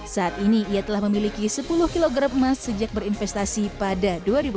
saat ini ia telah memiliki sepuluh kg emas sejak berinvestasi pada dua ribu empat belas